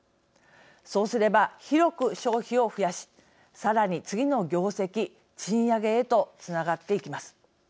そうすれば広く消費を増やしさらに次の業績賃上げへとつながっていきます。